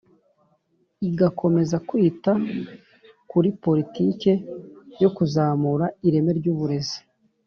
igakomeza kwita kuri politiki yo kuzamura ireme ry uburezi